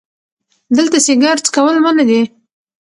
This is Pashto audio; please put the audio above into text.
دلته سیګار څکول منع دي🚭